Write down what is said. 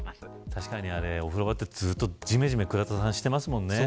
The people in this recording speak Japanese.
確かに、お風呂場ってずっとじめじめしてますもんね。